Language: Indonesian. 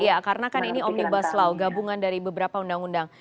iya karena kan ini omnibus law gabungan dari beberapa undang undang